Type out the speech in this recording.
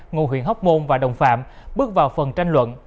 ngụ huyện hóc môn và đồng phạm bước vào phần tranh luận